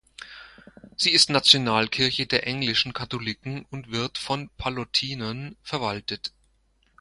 Sie ist Nationalkirche der englischen Katholiken und wird von Pallottinern verwaltet.